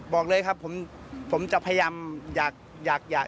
บอกเลยครับผมจะพยายามอยาก